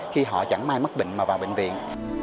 khi họ chẳng may mất bệnh mà vào bệnh viện